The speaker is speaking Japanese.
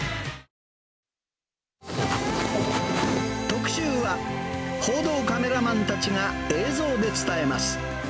特集は、報道カメラマンたちが映像で伝えます。